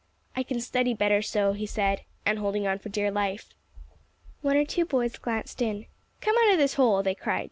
"I can study better so," he said, and holding on for dear life. One or two boys glanced in. "Come out of this hole," they cried.